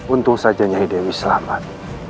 untung saja nyahi dewi selamat